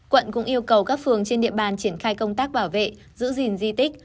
quận cũng yêu cầu các phường trên địa bàn triển khai công tác bảo vệ giữ gìn di tích